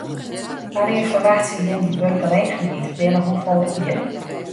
Wannear ferwachtsje jim dy wurkgelegenheid, binnen hoefolle jier?